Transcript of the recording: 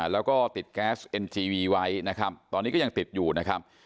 แล้วก็ติดแก๊สเอ็นจีวีไว้นะครับตอนนี้ก็ยังติดอยู่นะครับ